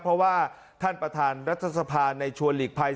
เพราะว่าท่านประธานรัฐสภาในชวนหลีกภัย